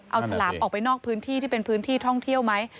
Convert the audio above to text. เอาฉลามออกไปนอกพื้นที่ที่เป็นพื้นที่ท่องเที่ยวไหม